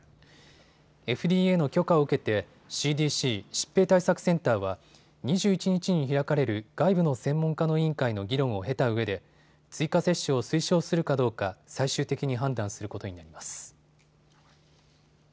ＦＤＡの許可を受けてＣＤＣ・疾病対策センターは２１日に開かれる外部の専門家の委員会の議論を経たうえで追加接種を推奨するかどうか最終的に判断することになります。